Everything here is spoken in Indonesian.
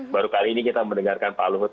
baru kali ini kita mendengarkan pak luhut